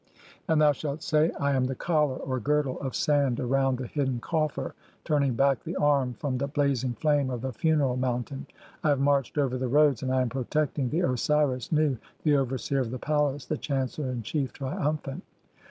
(46) And thou shalt say :— "I am the collar (or girdle) of sand "around the hidden coffer turning back the arm from the blazing "flame of the funeral mountain ; I have marched over the roads, "and I am protecting the Osiris (47) Nu, the overseer of the "palace, the chancellor in chief, triumphant."